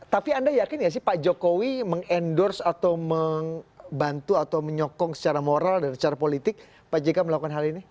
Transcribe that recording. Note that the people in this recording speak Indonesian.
tapi anda yakin nggak sih pak jokowi mengendorse atau membantu atau menyokong secara moral dan secara politik pak jk melakukan hal ini